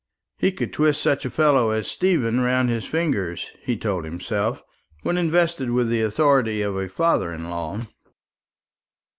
He could twist such a fellow as Stephen round his fingers, he told himself, when invested with the authority of a father in law.